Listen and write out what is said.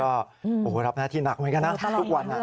โอ้โหรับหน้าที่หนักเหมือนกันนะทุกวัน